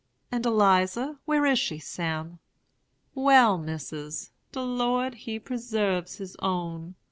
"'And Eliza, where is she, Sam?' "'Wal, Missis, de Lord he persarves his own.